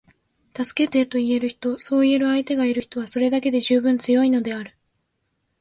「助けて」と言える人，そう言える相手がいる人は，それだけで十分強いのである．